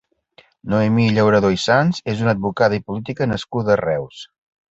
Noemí Llauradó i Sans és una advocada i política nascuda a Reus.